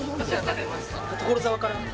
所沢から。